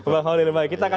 jangan pindahkan mereka